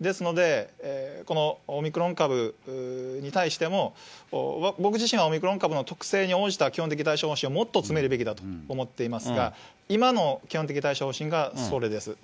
ですので、このオミクロン株に対しても、僕自身はオミクロン株の特性に応じた基本的対処方針をもっと詰めるべきだと思っていますが、今の基本的対処方針がそれです。